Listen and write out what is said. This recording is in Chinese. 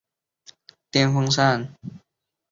了凡四训正是袁要给儿子的训示。